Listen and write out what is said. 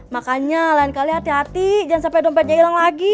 makanya lain kali hati hati jangan sampai dompetnya hilang lagi